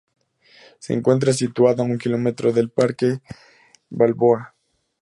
Se encuentra situado a un kilómetro del parque Balboa.